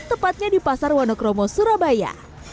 tepatnya di pasar wonokromo surabaya